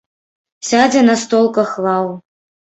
Сядзе на столках лаў.